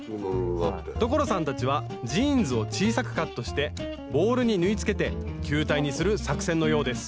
所さんたちはジーンズを小さくカットしてボールに縫いつけて球体にする作戦のようです